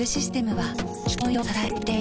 はい。